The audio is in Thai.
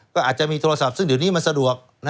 ก็อาจจะมีโทรศัพท์ซึ่งเดี๋ยวนี้มันสะดวก